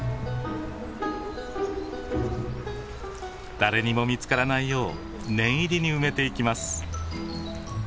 誰にも見つからないよう念入りに埋めていきます。